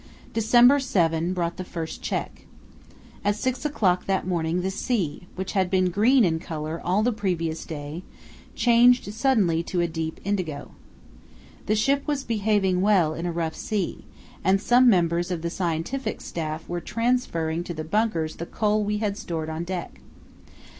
December 7 brought the first check. At six o'clock that morning the sea, which had been green in colour all the previous day, changed suddenly to a deep indigo. The ship was behaving well in a rough sea, and some members of the scientific staff were transferring to the bunkers the coal we had stowed on deck.